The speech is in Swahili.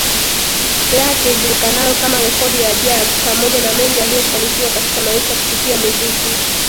yake ijulikanayo kama rekodi ya jag Pamoja na mengi aliyofanikiwa katika maisha kupitia muziki